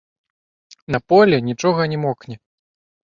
На полі нічога не мокне.